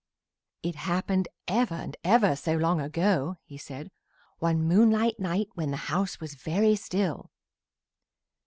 "It happened ever and ever so long ago," he said, "one moonlight night when the house was very still.